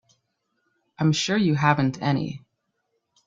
I'm sure you haven't any.